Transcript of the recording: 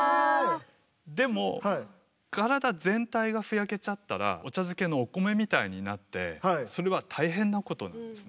でも体全体がふやけちゃったらお茶づけのお米みたいになってそれは大変なことなんですね。